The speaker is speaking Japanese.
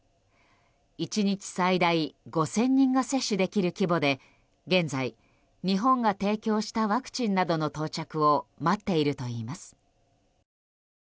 １日最大５０００人が接種できる規模で現在、日本が提供したワクチンなどの到着を待っているといいます。